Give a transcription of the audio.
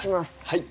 はい。